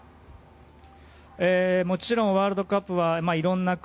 もちろんワールドカップはいろんな国